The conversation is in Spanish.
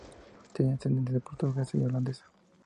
Tiene ascendencia portuguesa y holandesa.